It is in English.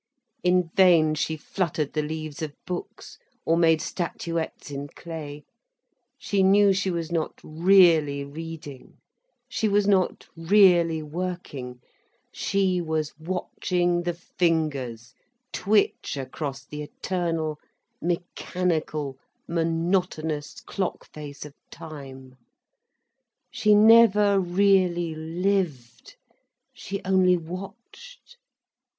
In vain she fluttered the leaves of books, or made statuettes in clay. She knew she was not really reading. She was not really working. She was watching the fingers twitch across the eternal, mechanical, monotonous clock face of time. She never really lived, she only watched.